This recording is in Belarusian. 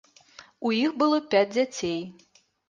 У іх было пяць дзяцей.